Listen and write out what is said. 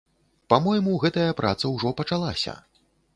Па-мойму, гэтая праца ўжо пачалася.